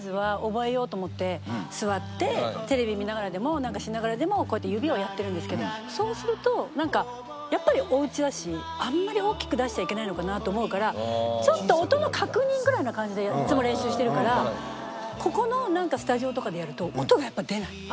座ってテレビ見ながらでもなんかしながらでもこうやって指をやってるんですけどそうするとなんかやっぱりおうちだしあんまり大きく出しちゃいけないのかなと思うからちょっと音の確認ぐらいの感じでいつも練習してるからここのスタジオとかでやると音がやっぱり出ない。